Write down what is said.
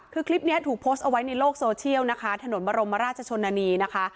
คือคลิปนี้ถูกโพสต์เอาไว้ในโลกโซเชียลนะคะถนนบรมราชชนนานีนะคะ